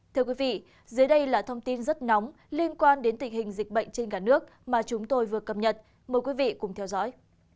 thưa quý vị dưới đây là thông tin rất nóng liên quan đến tình hình dịch bệnh trên cả nước mà chúng tôi vừa cập nhật mời quý vị cùng theo dõi